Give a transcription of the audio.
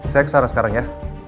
saya kesana sekarang ya